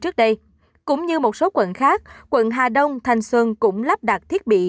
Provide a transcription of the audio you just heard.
cũng như một số quận khác quận hà đông thành xuân cũng lắp đặt thiết bị